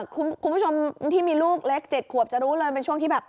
คุณผู้ชมที่มีลูกเล็ก๗ขวบจะรู้เลยเป็นช่วงที่แบบ